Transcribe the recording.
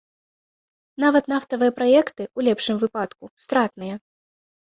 Нават нафтавыя праекты, у лепшым выпадку, стратныя.